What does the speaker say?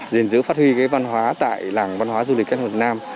giền giữ phát huy văn hóa tại làng văn hóa du lịch việt nam